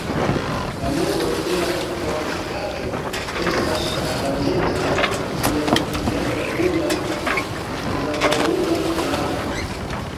La muroj de la fortikaĵo estas aranĝitaj en neregula kvarangula plano.